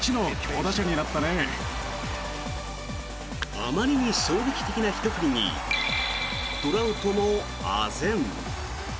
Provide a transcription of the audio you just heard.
あまりに衝撃的なひと振りにトラウトもあぜん。